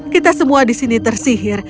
kita semua di sini tersihir